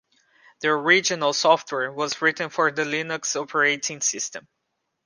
The original software was written for the Linux operating system.